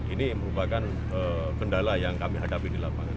ini merupakan kendala yang kami hadapi di lapangan